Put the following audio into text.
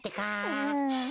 うん。